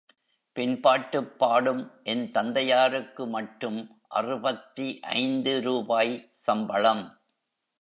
பின்பாட்டுப் பாடும் என் தந்தையாருக்கு மட்டும் அறுபத்தி ஐந்து ரூபாய் சம்பளம்.